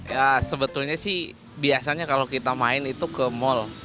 ya sebetulnya sih biasanya kalau kita main itu ke mall